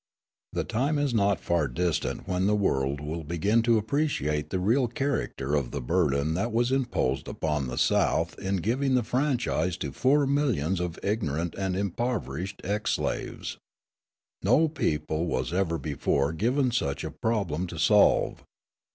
The time is not far distant when the world will begin to appreciate the real character of the burden that was imposed upon the South in giving the franchise to four millions of ignorant and impoverished ex slaves. No people was ever before given such a problem to solve.